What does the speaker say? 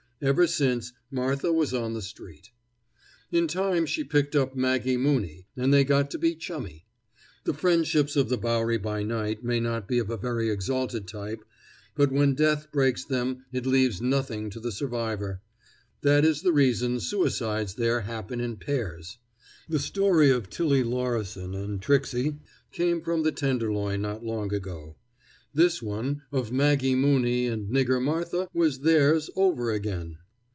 Ever since, Martha was on the street. In time she picked up Maggie Mooney, and they got to be chummy. The friendships of the Bowery by night may not be of a very exalted type, but when death breaks them it leaves nothing to the survivor. That is the reason suicides there happen in pairs. The story of Tilly Lorrison and Tricksy came from the Tenderloin not long ago. This one of Maggie Mooney and Nigger Martha was theirs over again.